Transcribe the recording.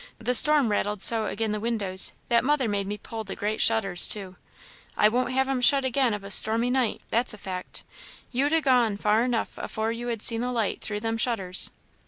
the storm rattled so agin' the windows, that mother made me pull the great shutters to. I won't have 'em shut again of a stormy night, that's a fact; you'd ha' gone far enough afore you'd ha' seen the light through them shutters."